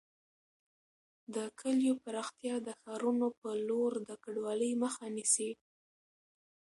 د کليو پراختیا د ښارونو پر لور د کډوالۍ مخه نیسي.